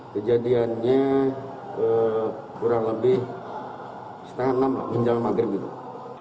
kejadiannya kurang lebih setengah enam menjalankan lalu lintas